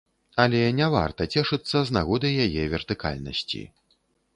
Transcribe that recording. Але не варта цешыцца з нагоды яе вертыкальнасці.